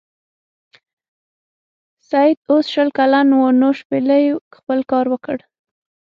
سید اوس شل کلن و نو شپیلۍ خپل کار وکړ.